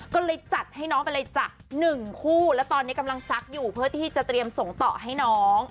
ก็เลยจัดให้น้องไปเลยจ้ะหนึ่งคู่แล้วตอนนี้กำลังซักอยู่เพื่อที่จะเตรียมส่งต่อให้น้อง